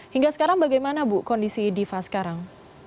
hingga sekarang bagaimana bu kondisi diva sekarang